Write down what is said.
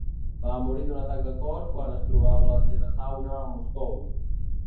Va morir d'un atac de cor quan es trobava a la seva sauna, a Moscou.